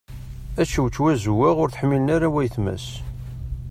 Ačewčew azewwaɣ ur t-ḥmmilen ara wayetma-s.